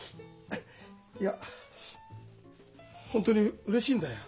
いや本当にうれしいんだよ。